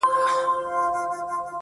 ګیله مي ډېره درنه کيږي آشنا,